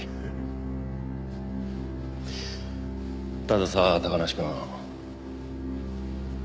たださ高梨くん。